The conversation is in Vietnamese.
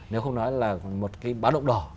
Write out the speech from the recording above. nếu không nói là một cái báo động đỏ